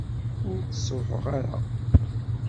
Ur t-sṛuḥeɣ ara.